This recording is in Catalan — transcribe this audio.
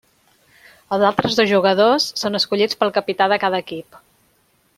Els altres dos jugadors són escollits pel capità de cada equip.